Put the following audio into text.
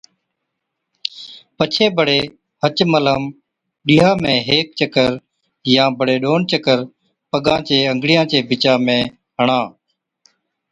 پڇي بڙي هچ ملم ڏِيها ۾ هيڪ چڪر يان بڙي ڏون چڪر پگان چي انگڙِيان چي بِچا ۾ هڻا۔